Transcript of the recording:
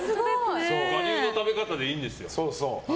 我流の食べ方でいいんですよ。